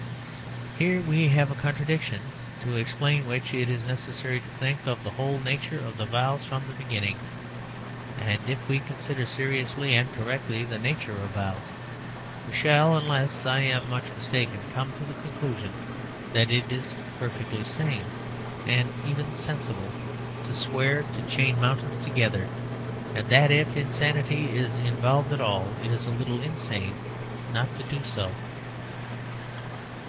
Here we have a contradiction, to explain which it is necessary to think of the whole nature of vows from the beginning. And if we consider seriously and correctly the nature of vows, we shall, unless I am much mistaken, come to the conclusion that it is perfectly sane, and even sensible, to swear to chain mountains together, and that, if insanity is involved at all, it is a little insane not to do so.